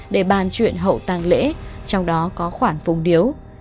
để bàn chuyện hậu tăng lễ trong đó có khoản phùng điếu